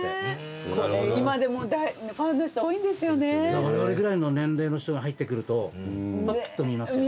われわれぐらいの年齢の人が入ってくるとぱっと見ますよね。